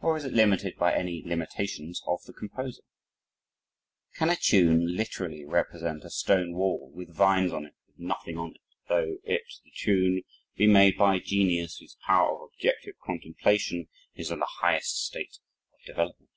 Or is it limited by any limitations of the composer? Can a tune literally represent a stonewall with vines on it or with nothing on it, though it (the tune) be made by a genius whose power of objective contemplation is in the highest state of development?